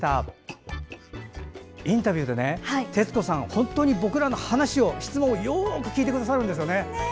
インタビューで、徹子さんは本当に僕らの話を、質問をよく聞いてくださるんですよね。